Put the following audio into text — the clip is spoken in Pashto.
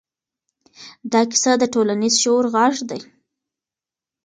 دا کیسه د ټولنیز شعور غږ دی.